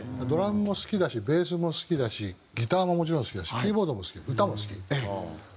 ドラムも好きだしベースも好きだしギターももちろん好きだしキーボードも好き歌も好き。